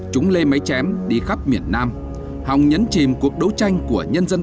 chúng lê máy chém đi khắp miền nam hòng nhấn chìm cuộc đấu tranh của nhân dân